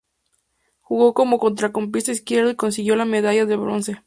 Jugó como centrocampista izquierdo y consiguió la medalla de bronce.